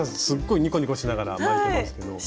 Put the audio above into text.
すっごいにこにこしながら巻いてますけど。